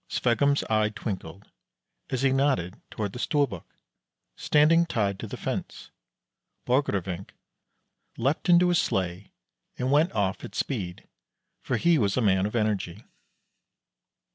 Sveggum's eye twinkled as he nodded toward the Storbuk, standing tied to the fence. Borgrevinck leaped into his sleigh and went off at speed, for he was a man of energy.